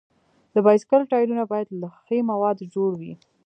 د بایسکل ټایرونه باید له ښي موادو جوړ وي.